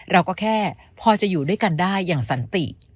เราก็แค่พอจะอยู่ด้วยกันได้อย่างสันติ